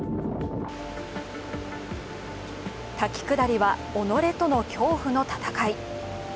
滝下りは己との恐怖の戦い。